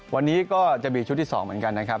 วันนี้ก็จะมีชุดที่๒เหมือนกันนะครับ